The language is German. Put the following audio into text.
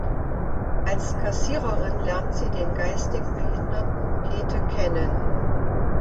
Als Kassiererin lernt sie den geistig behinderten Pete kennen.